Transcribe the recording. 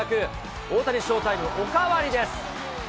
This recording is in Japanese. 大谷ショータイムおかわりです。